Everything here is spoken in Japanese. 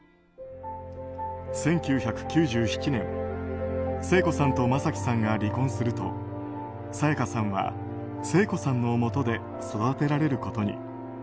１９９７年聖子さんと正輝さんが離婚すると沙也加さんは聖子さんのもとで育てられることに。